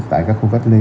tại các khu cách ly